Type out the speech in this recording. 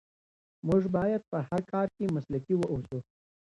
موږ باید په هر کار کې مسلکي واوسو.